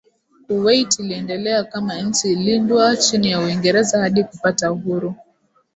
Kuwait iliendelea kama nchi lindwa chini ya Uingereza hadi kupata uhuru